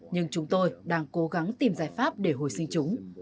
nhưng chúng tôi đang cố gắng tìm giải pháp để hồi sinh chúng